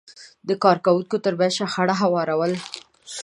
د کار کوونکو ترمنځ شخړې هوارول،